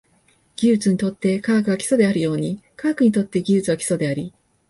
技術にとって科学が基礎であるように、科学にとって技術は基礎であり、